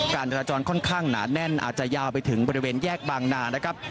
การจราจรค่อนข้างหนาแน่นอาจจะยาวไปถึงบริเวณแยกบางนานะครับ